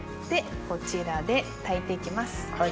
こちらで炊いていきます。